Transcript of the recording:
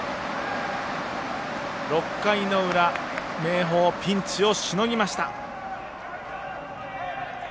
６回の裏明豊、ピンチをしのぎました。